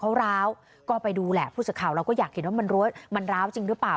เพราะร้าวก็ไปดูแหละพูดสักคราวเราก็อยากเห็นว่ามันร้าวจริงหรือเปล่า